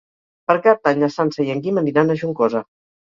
Per Cap d'Any na Sança i en Guim aniran a Juncosa.